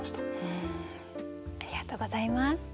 ありがとうございます。